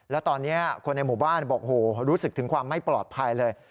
แล้วตอนนี้คนในหมู่บ้านบอกโหรู้สึกถึงความไม่ปลอดภัยเลย